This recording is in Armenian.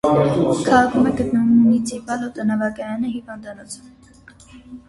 Քաղաքում է գտնվում մունիցիպալ օդանավակայանը, հիվանդանոցը։